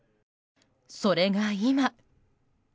それが今。